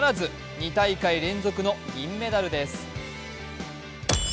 ２大会連続の銀メダルです。